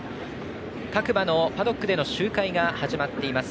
各馬のパドックでの周回が始まっています。